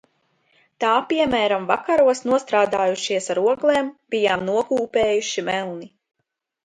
Tā piemēram vakaros nostrādājušies ar oglēm, bijām nokūpējuši melni.